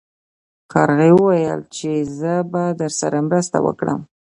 کارغې وویل چې زه به درسره مرسته وکړم.